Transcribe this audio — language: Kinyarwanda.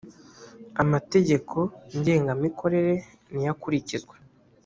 amategeko ngengamikorere niyo akurikizwa.